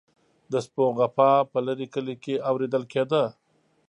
د سپو غپا په لرې کلي کې اوریدل کیده.